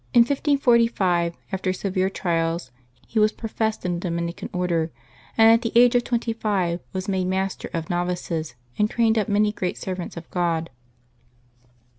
In 1545, after severe trials, he was professed in the Dominican Order, and at the age of tvventy five was made master of novices, and trained np many great servants of God.